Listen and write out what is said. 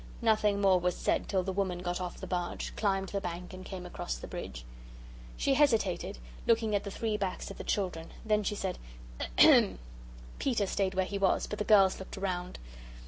Nothing more was said till the woman got off the barge, climbed the bank, and came across the bridge. She hesitated, looking at the three backs of the children, then she said, "Ahem." Peter stayed as he was, but the girls looked round.